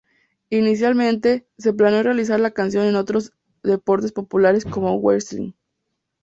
Inicialmente, se planeó realizar la canción en otros deportes populares, como Wrestling.